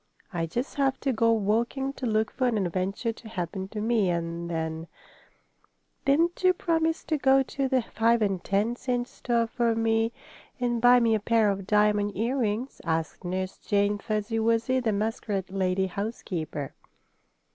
"I just have to go walking to look for an adventure to happen to me, and then " "Didn't you promise to go to the five and ten cent store for me, and buy me a pair of diamond earrings?" asked Nurse Jane Fuzzy Wuzzy, the muskrat lady housekeeper.